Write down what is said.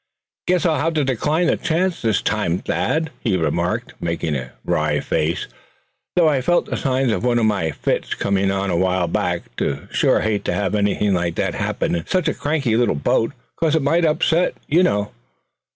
"Guess I'll have to decline the chance this time, Thad," he remarked, making a wry face. "Thought I felt the signs of one of my fits comin' on, a while back. I'd sure hate to have anything like that happen in such a cranky little boat; 'cause it might upset, you know."